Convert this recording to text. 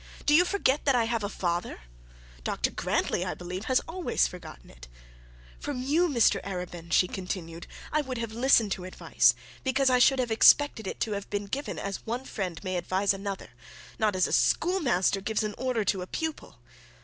Do you forget that I have a father? Dr Grantly, I believe, always has forgotten it.' 'From you, Mr Arabin,' she continued, 'I would have listened to advice because I should have expected it to have been given as one friend may advise another; not as a schoolmaster gives an order to a pupil.